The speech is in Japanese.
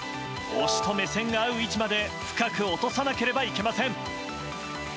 推しと目線が合う位置まで深く落とさなければいけません。